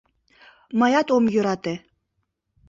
— Мыят ом йӧрате...